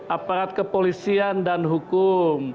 aparat kepolisian dan hukum